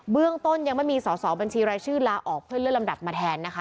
เรื่องต้นยังไม่มีสอสอบัญชีรายชื่อลาออกเพื่อเลื่อนลำดับมาแทนนะคะ